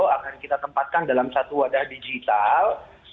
akan kita tempatkan dalam satu wadah digital